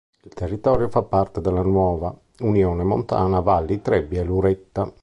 Il territorio fa parte della nuova Unione Montana Valli Trebbia e Luretta.